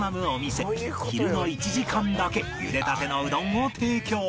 昼の１時間だけ茹でたてのうどんを提供